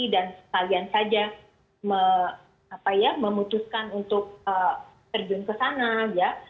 dan sekalian saja memutuskan untuk terjun ke sana ya